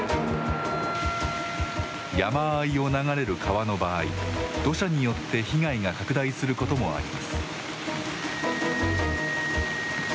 山あいを流れる川の場合、土砂によって被害が拡大することもあります。